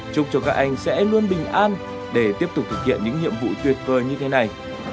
chúc cho các anh sẽ luôn bình an để tiếp tục thực hiện những nhiệm vụ tuyệt vời như thế này